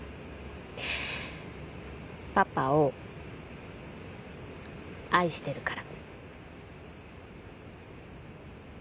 パパを愛してるから。